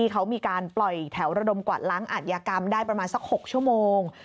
เขามีการปล่อยแถวระดมกวาดล้างอาทยากรรมได้ประมาณสัก๖ชั่วโมง